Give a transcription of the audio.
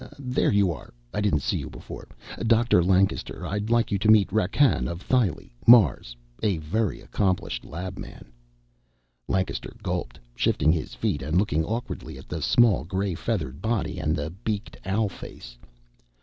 There you are, I didn't see you before! Dr. Lancaster, I'd like you to meet Rakkan of Thyle, Mars, a very accomplished labman." Lancaster gulped, shifting his feet and looking awkwardly at the small gray feathered body and the beaked owl face.